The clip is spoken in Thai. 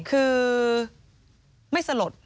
คือไม่สลด